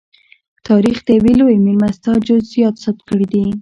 تاریخ د یوې لویې مېلمستیا جزییات ثبت کړي دي.